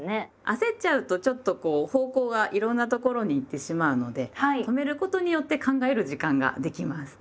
焦っちゃうとちょっと方向がいろんなところに行ってしまうので止めることによって考える時間ができます。